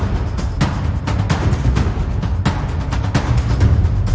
ติดตามต่อไป